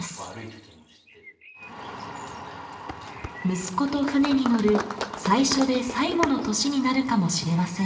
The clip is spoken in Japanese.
息子と船に乗る最初で最後の年になるかもしれません。